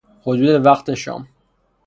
حدود وقت شام